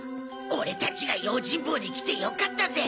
俺たちが用心棒に来て良かったぜ！